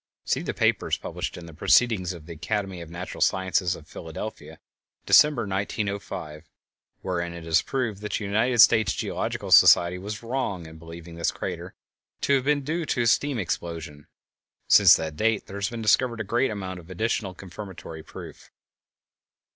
(See the papers published in the Proceedings of the Academy of Natural Sciences of Philadelphia, December, 1905, wherein it is proved that the United States Geological Survey was wrong in believing this crater to have been due to a steam explosion. Since that date there has been discovered a great amount of additional confirmatory proof).